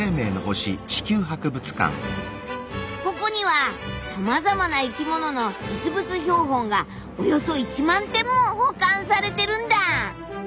ここにはさまざまな生き物の実物標本がおよそ１万点も保管されてるんだ！